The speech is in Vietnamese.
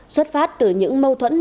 xuất phát từ những mâu thuẫn nảy